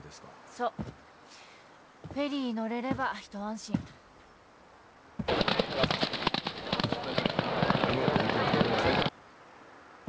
そうフェリー乗れれば一安心このあと運転代わりましょうか？